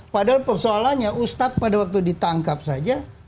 padahal persoalannya ustadz pada waktu ditangkap saja